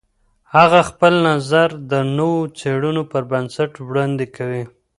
هغه خپل نظر د نوو څېړنو پر بنسټ وړاندې کوي.